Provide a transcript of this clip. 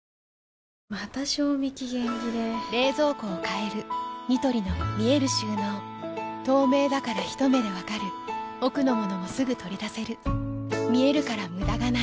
また賞味期限切れ冷蔵庫を変えるニトリの見える収納透明だからひと目で分かる奥の物もすぐ取り出せる見えるから無駄がないよし。